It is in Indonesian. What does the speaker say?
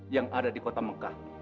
yang ada di kota mekah